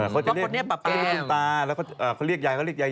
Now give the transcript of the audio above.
เขาจะเรียกคุณตาแล้วก็เขาเรียกยายเขาเรียกยาย